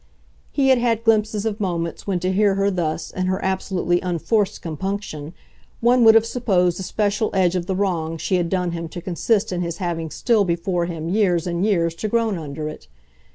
He had had glimpses of moments when to hear her thus, in her absolutely unforced compunction, one would have supposed the special edge of the wrong she had done him to consist in his having still before him years and years to groan under it.